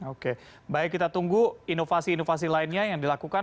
oke baik kita tunggu inovasi inovasi lainnya yang dilakukan